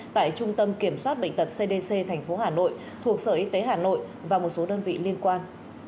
tại trung tâm kiểm soát bệnh tật cdc tp hà nội thuộc sở y tế hà nội và một số đơn vị liên quan